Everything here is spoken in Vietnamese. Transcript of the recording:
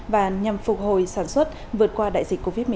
và nhằm phục hồi sản xuất vượt qua đại dịch covid một mươi chín